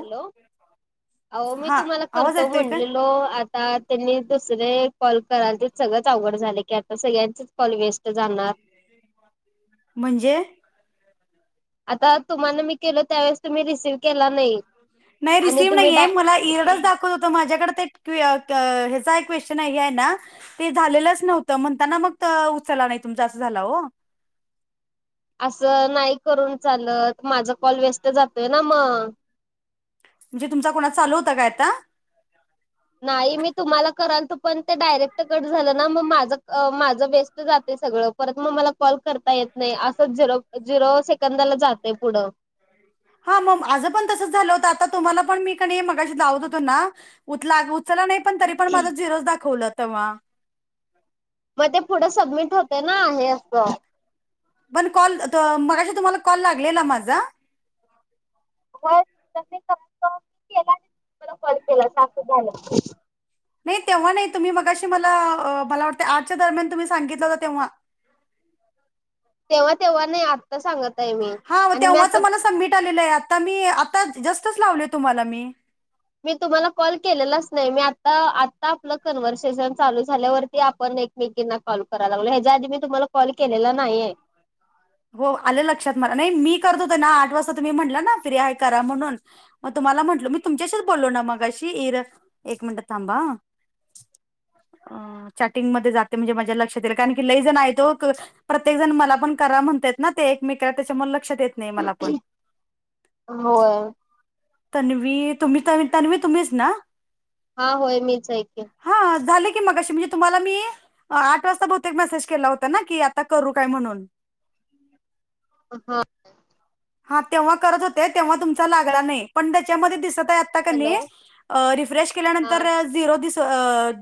Hello आहो मी हा तुम्हाला आवाज करतो येतोय काय म्हणलेलो आ ता त्यांनी दुसरे कॉल कराल ते सगळंच आवघड झाले की आता सगळ्यांचेच कॉल वेस्त जाणार. म्हणजे आता तुम्हाला मी केलं त्यावेळेस तुम्ही रिसीव नाय रिसीव नाहीये डा मला एररचं दा वत होत माझ्याकडे ते क्व अ ह्याचा एक क्वेश्चन आहे आहे ना ते झालेलंच नव्हतं म्हणताना मग उचलला नाय तुमचा असं झाला हो. असं नाही करून चालत माझा कॉल वेस्ट जातोय ना मग. म्हणजे तुमचा कोणाचां चालू होता काय आता नाही मी तुम्हाला कराल तो पण ते डायरेक्ट कट झालं ना मग माझ माझं वेस्ट वेस्ट जाते सगळं परत मग मला कॉल करता येत नाय असं झिरो झिरो सेकंदाला जाते पुढं हा म माझं पण तसंच झालं होतं आता तुम्हाला पण मी कनी मगाशी लावत होतो ना उतला उचला नाही पण तरी पण माझं झिरोज दाखवलं तेव्हा म ते पुढं सबमिट होतय ना हे असं पण कॉल त मगाशी तुम्हाला कॉल लागलेला माझा होय [unintelligible] केला ब फ केला असं झालं ते नाय तेव्हा नाय तुम्ही मगाशी मला मला वाटतं आठच्या दरम्यान तुम्ही सांगितलं होता तेव्हा तेव्हा तेव्हा नाय आत सांगतय मी हा मं आणि मी तेव्हाच आता मला सबमिट आलेलं हाय आता मी आता जस्टच लावलय तुम्हाला मी मी तुम्हाला कॉल केलेलाच नाही मी आता आता आपलं कन्व्हर्सेशन चालू झाल्यावरती आपण एक मेगींना कॉल कराय लागलो ह्याच्या आधी मी तुम्हाला कॉल केलेला नाहीये. हो आल लक्षात मला नाही मी करत होते ना आठ वाजता तुम्ही म्हटला ना फ्री आहे करा म्हणून म तुम्हाला म्हंटल मी तुमच्याशीच बोललो ना मगाशी इर एक मिनिटात थांबा आ अ चॅटिंग मधे जाते म्हणजे माज्या लक्षात येईल कारण की लय जण आहेय ओ प्रत्येक जण मला पण करा म्हण ना ते एकमेक त्याच्यामुळे लक्षात येत नाही मला पण होय [inaudible] तन्वी तुम्ही तन्वी तुम्हीच ना [unintelligible] हा होय मीच ऐके हा झाले की मगाशी म्हणजे तुम्हाला मी [unintelligible] आठ वाजता बहुतेक मेसेज केला होता ना की आता करू काय म्हणून हा [unintelligible] हा तेव्हा करत होते तेव्हा तुमचा लागला नाही पण त्याच्यामध्ये दिसत आता की नी हॅलो रिफ्रेश हा केल्यानंतर च् [unintelligible] झरो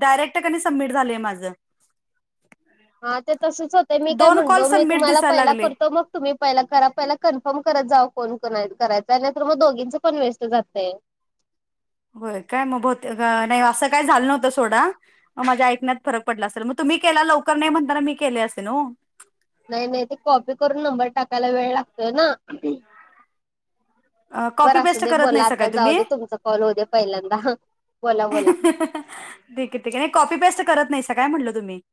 डायरेक्ट सबमिट झालंय माझं हा ते तसच होते मी काय दोन कॉल म्हणलो मी सबमिट तुम्हाला दिसायला पहिला लागले करतो मग तुम्ही पहिला करा पहिला कन्फर्म करत जा कोण कोण करायचं आणि नतर मग दोघींचं पण वेस्ट जातय होय काय मग होते नाही असं काय झालं नव्हतं सोडा मग माझ्या ऐकण्यात फरक पडला असेल मग तुम्ही केला लवकर नाही म्हणताना मी केले असेल न हो नाही नाही ते कॉपी करून नंबर टाकायला वेळ लागतोय ना कॉपी बरं अस पेस्ट दे करत बोला नाहीसा काय आता जाऊ तुम्ही दे तुमचा कॉल होऊ दे पहिल्यांदा बोला बोला ठीके ठीक आहे कॉप पेस्ट करत नाही काय म्हटलं तुम्ही [unintelligible]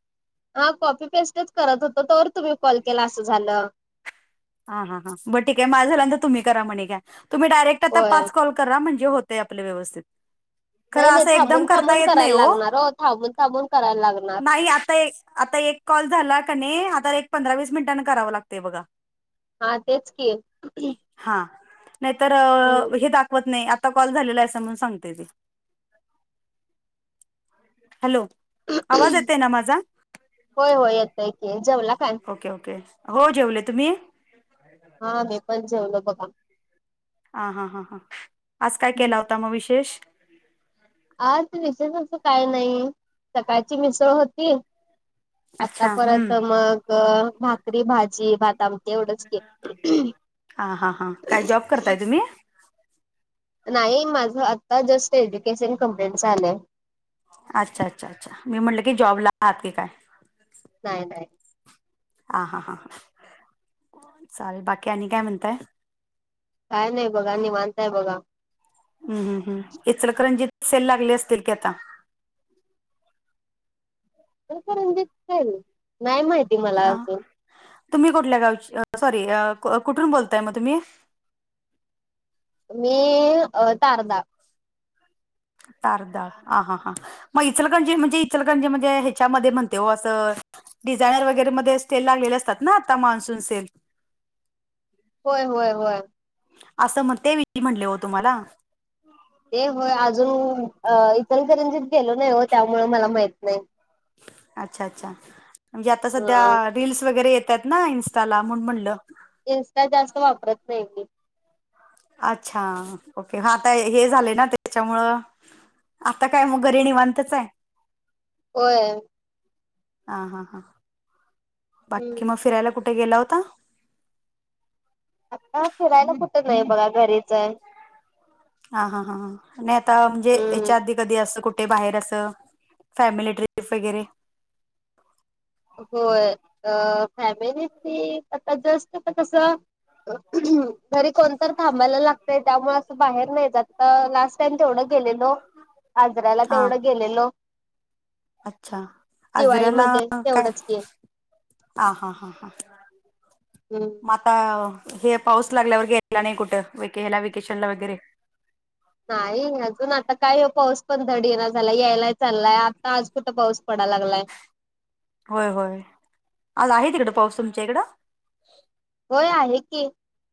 हा कॉपी पेस्टच करत होतो तर तुम्ही कॉल केला असं झालं हा हा हां ब ठीक आहे माझ झालांत तुम्ही करा म्हणे घ्या तुम्ही डायरेक्ट आता होय पाच कॉ करा म्हणजे होतय आपल्या व्यवस्थित [unintelligible] खर नाही नाही असं एकदम थांबून करता थांबून येत नाही करायला हो लागणार थांबून थांबून करायला लागणार. नाही आता एक आता एक कॉल झाला कने आता एक पंधरा वीस मिनिटांने करावं लागतय बघा हा तेच केल [inaudible] हा नाहीतर हे दाखवत नाही आता कॉल झालेला अस म्हणून सांगते तेी हॅलो [unintelligible] आवाज येतय ना माझा होय होय येतय की जेवला काय? ओके ओके हो जेवले तुम्ही हा बे पण जेवलं बघा [unintelligible] ह हा हां हां आज काय हम्म. केला होता मग विशेष आ ते विसयच काय नाही सकाळची मिसळ होती आता अच्छा हम्म परत मग भाकरी भाजी भाता तेवढच के हां हां हां काय जॉब करताय तुम्ही नाही माझ आता जस्ट एज्युकेशन कं्प्लीट झालंय अच्छा अच्छा अच्छा मी म्हटलं की जॉबला आहात की काय नाही नाहीबल्ब हा हा हा ह चालेल बाकी आणि काय म्हणताय काय नाही बघा न मानताय बघा [unintelligible] हम् हम् हम् इचलकरंजी सेल लागली असतील की आता तरणजल नाही माहिती मला हा अजून तुम्ही कुठल्या गावची सॉरी कुठून बोलताय मग तुम्ही मी अ तारदाा [unintelligible] तारध ह हा हां [unintelligible] मग इचलकणजी म्हणजे इचलकणजी म्हणजे ह्याच्यामध्ये म्हणते हो असं डिझायनर वगैरे म स्टेल लागलेले असतात ना आता मान्सून सेल होय होय होय [unintelligible] असं मग ते वि म्हटले हो तुम्हाला ते होय अजून अ इतर तरंजित गेलो नाही हो त्यामुळे मला माहित नाही अच्छा अच्छा म्हणजे आता सध्या हा [unintelligible] रीलल्स वगैरे येतात ना इन्स्टाला म्हणून म्हटलं [unintelligible] इन्स्टा जास्त वापरत नाही मी अच्छा ओके आता हे झाले ना त्याच्यामुळं आता काय मग घरी निवांतच आहे. होय. हा हा हा हम्म. बाकी मग फिरायला कुठे गेला होता. आता फिरायला कुट नाही बघा घरीच आहे. हा हा हा ह आणि आता म्हणजे हम्म याच्या आधी कधी असं कुठ ते बाहेर अस फॅमिली ट्रिप वगैरे होय अ फॅमिली आता जस्ट का तस घरी कोणतर थांबायला लागतय त्यामुळे असं बाहेर नाही. तसा लास्ट टाइम तेवढं गेलेलो, आजराला हा तेवढं गेलेलो. अच्छा आजऱ्याला दिवाळीमध्ये काय तेवढंच आहे. की हा हा हा हा हम मग आता हे पाऊस लागल्यावर ग्यायला नाही कुठेला वेकेशन ला वगैरे नाही अजून आता काय हो पाऊस पण धडी ये ना झाला यायला चाललाय आता आज कुठं पाऊस पडाला लागलाय. होय होय आज आहे तिकडं पाऊस तुमच्या इकडं होय आहे की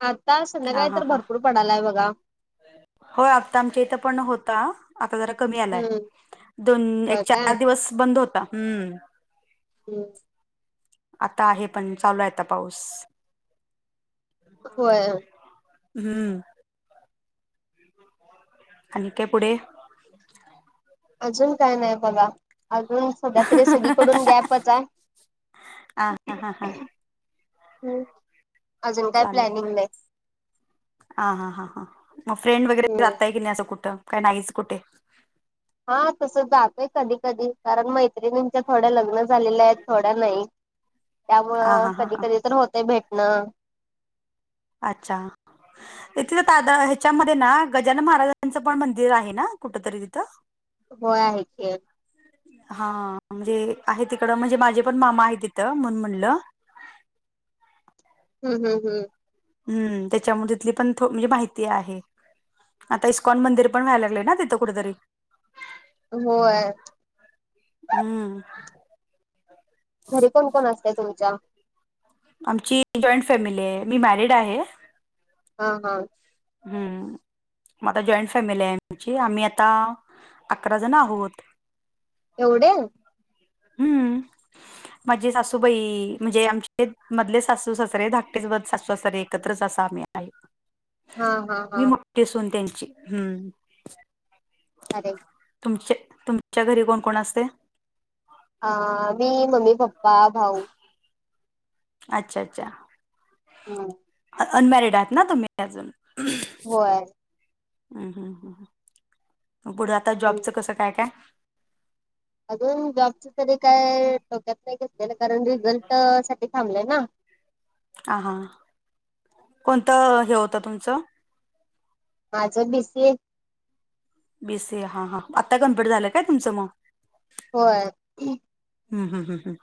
आता हा संध्याकाळी हा तर हा भरपूर पडायलाय बघा. होय आत्ता आमच्या इथं पण होता. आता जरा कमी आलाय हम्म दोन, होय एक काय चार दिवस बंद होता. हम्म हम् आता आहे पण चालू आता पाऊस होय. हम्म आणि त्या पुढे अजून काय नाही बघा अजून सध्या तरी सगळीकडून गॅपच आहे. हा हा हा हा होम् चालेल. हा हा हा हां मग फ्रेंड वगैरे हम्म जातय की नाही असं कुठं काही नाहीच कुठे हा तस जातोय कधी कधी कारण मै मैत्रिणीच्या थोड्या लग्न झालेल्या आहेत, थोड्या नाही. हा त्यामुळं हा हा कधी हा कधी तर होतय भेटणं. अच्छा तिथं ह्याच्यामध्ये ना गजानन महाराजांचं पण मंदिर आहे ना कुठ तरी तिथं होय आहेे की हा म्हणजे आहे तिकडं म्हणजे माझे पण मामा आहे तिथं म्हणून म्हणलं हम् हम हम्. हम्म त्याच्यामुळे तिथली पण म्हणजे माहिती आहे. आता इस्कॉन मंदिर पण व्हायला लागले ना तिथं कुठेतरी होय. हम्म. घरी कोण कोण असत तुमच्या? आमची जॉईंट फॅमिली आहे मी मॅरिड आहे. हम हम हम् मग जॉईंट फॅमिली आहे आमची आम्ही आता अकरा जण आहोत. एवढे हम्म. माझी सासूबाई म्हणजे आमचे मधले सासू सासरे धाकटे सासू सासरे एकत्रच असा आम्ही आहे. हा. हा मी हा मोठी अस होन त्यांची हम्म अरे [inaudible] तुमचे तुमच्या घरी कोण कोण असते [unintelligible] अ मी मम्मी पप्पा भाऊ अच्छा अच्छाबल्ब हम् अनमॅरिड आहेत ना तम् अजून होय [inaudible] हम् हम् ह पुढे आता हम्म. जॉबचं कसं काय काय अजून जॉबच तरी काय ठोक्यात नाही घेतलेलं कारण रिझल्ट साठी थांबलंय ना. हा हां कोणतं हे होतं तुमचं. माझं B C A. [inaudible] B C A हा हा आता कम्प्लीट झालं काय तुमचं मग. [inaudible] होय ह् ह ह ह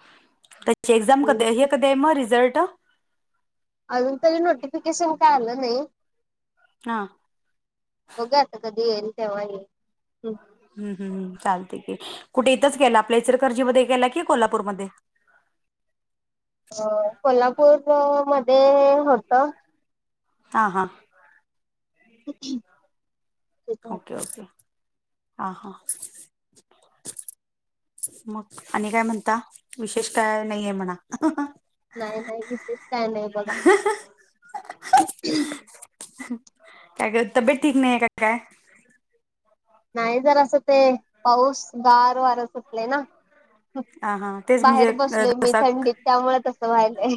त्याची एक्झाम कध हम्म. हे कध आहे म रिझल्ट अजून तरी नोटिफिकेशन काय आलं नाही हा [inaudible] होघ्या आता कधी येईल तेव्हाई [unintelligible] हम् हम् चालते की कुठे इथंच गेलं आपल्या इसर कर्जी मध्ये गेला कि कोल्हापूरमध्ये अह कोल्हापूर मध्ये होतं. हां हां ह ह. ओके ओके हा हा. मग आणि काय म्हणता विशेष कळायला नाहीये म्हणा. नाही नाही विशेष काय नाही बघा. काय ग तब्येत ठीक नाहीये का काय. नाही जरासं ते पाऊस गार वार सुटलंय ना. हा हा तेच बाहेर म्हणजे बसलोय मी घसा थंडीत त्यामुळे तसं व्हायलय.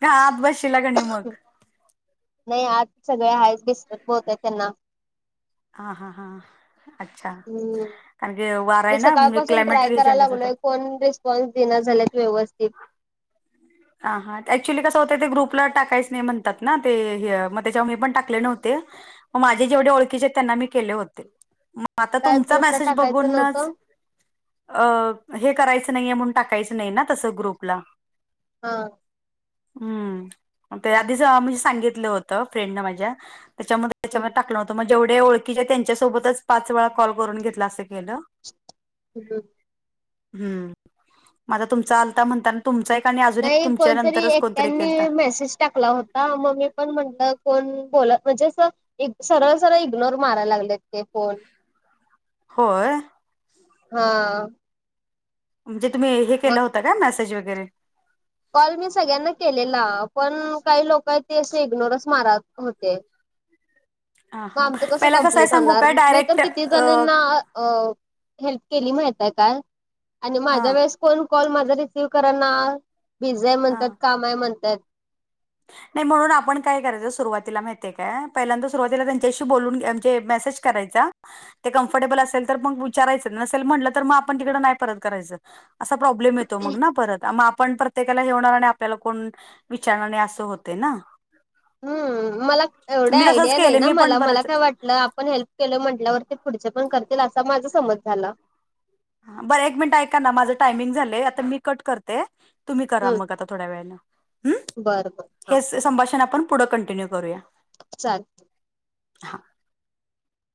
का आत बसशीला का नाही मग. नाही आत सगळे आहेत डिस्टर्ब होतय त्यांना. हा हा हां अच्छा हम्म. कारण की वारा आहे ना म्हणजे क्लायमेट चेंजेस होतं. [unintelligible] [unintelligible] देईना झाल्यात व्यवस्थित. ह हा ऍक्च्युली कसं होतं ते ग्रुपला टाकायच नाही म्हणतात ना ते हे मग त्याच्यावर मी पण टाकले नव्हते. मग माझे जेवढे ओळखीचे त्यांना मी केले होते मग आता काय तुमचा ग्रुपला मेसेज टाकायचं बघूनच. नव्हतं अ हे करायचं नाहीये म्हणून टाकायचं नाही ना तसं ग्रुपला. हा हम्म ते आधीच आम्ही सांगितलं होत फ्रेंड न माझ्या त्याच्याम त्याच्यामध्ये टाकलं होतं मग जेवढे ओळखीचे त्यांच्यासोबतच पाच वेळा कॉल करून घेतलं असं केलं. हम्म हम्म हम्म माझा तुमचा आलता म्हणता ना तुमचा एक आणि अजून एक. की तुमच्या कोणतरी नंतरच एक कोणतरी त्यांनी केलता मेसेज टाकला हो हा मग मी पण म्हंटलं कोण बोल म्हणजे अस सरळ सरळ इग्नोर मारायला लागलेत. ते कोण होय हां. म्हणजे तुम्ही हे केलं होता का मेसेज वगैरे. कॉल मी सगळ्यांना केलेला पण काही लोक आहे ते असे इग्नोरच मारत होते. हां मग हां आमचं कसं पहिला आहे कंप्लीट सांगू होणार काय मी तर डायरेक्ट किती जणींना अह. हेल्प केली माहित हाय का आणि माझ्या हां वेळेस कोण कॉल माझा रिसीव करा ना. बीजी हाय हां म्हणतात काम हाय म्हणतात. नाही म्हणून आपण काय करायचं सुरुवातीला माहितय काय पहिल्यांदा सुरवातीला त्यांच्याशी बोलून यांचे मेसेज. करायचा ते कम्फर्टेबल असेल तर मग विचारायचं नसेल म्हटलं तर मग आपण तिकड नाही परत करायचं. असा प्रॉब्लेम येतो मग ना परत मग आपण प्र ते काला हे होणार आणि आपल्याला कोण विचारणार नाही असं होतंय ना. हम्म मला एवढ्या मी तसंच आयडिया नाही केले ना मी पण मला मला बरंच काय वाट ल आपण हेल्प केलं म्हटल्यावरती पुढचे पण करतील असा माझा समज झाला. हा बरं एक मिनिट ऐका ना माझं टायमिंग झालंय आता मी कट कर ते तुम्ही करा हम्म मग आता थोड्या वेळानं हम्म. बरं बरं हा हेच संभाषण आपण पुढं कंटिन्यू करूया. चालत हा